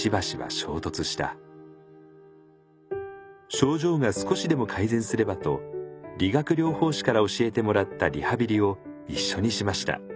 症状が少しでも改善すればと理学療法士から教えてもらったリハビリを一緒にしました。